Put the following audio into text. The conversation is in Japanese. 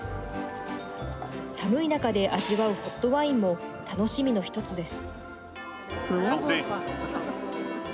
寒い中で味わうホットワインも楽しみの１つです。